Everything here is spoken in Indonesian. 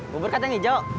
bubur kan yang hijau